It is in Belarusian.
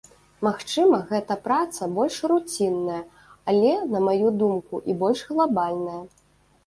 Магчыма, гэта праца больш руцінная, але, на маю думку, і больш глабальная.